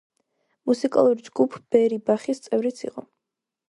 მუსიკალური ჯგუფ „ბერი ბახის“ წევრიც იყო.